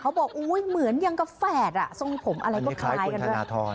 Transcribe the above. เขาบอกเหมือนยังกับแฝดส่องผมอะไรก็คล้ายกัน